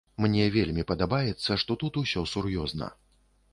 Мне вельмі падабаецца, што тут усё сур'ёзна.